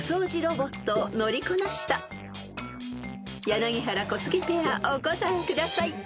［柳原小杉ペアお答えください］